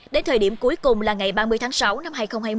đến thời điểm cuối cùng là ngày ba mươi tháng sáu năm hai nghìn hai mươi